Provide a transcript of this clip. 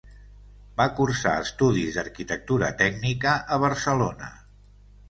Va cursar estudis d'arquitectura tècnica a Barcelona.